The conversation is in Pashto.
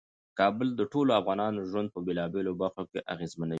کابل د ټولو افغانانو ژوند په بیلابیلو برخو کې اغیزمنوي.